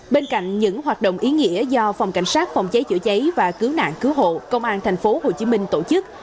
bên cạnh những hoạt động ý nghĩa do phòng cảnh sát phòng cháy chữa cháy và cứu nạn cứu hộ công an tp hcm tổ chức